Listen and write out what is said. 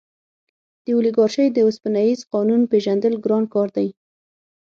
د اولیګارشۍ د اوسپنیز قانون پېژندل ګران کار دی.